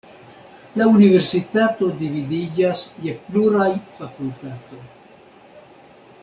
La universitato dividiĝas je pluraj fakultato.